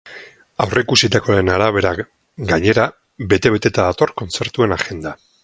Aurreikusitakoaren arabera, gainera, bete-beteta dator kontzertuen agenda.